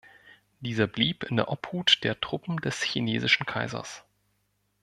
Dieser blieb in der Obhut der Truppen des chinesischen Kaisers.